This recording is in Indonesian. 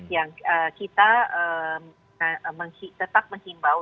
yang kita tetap menghimbau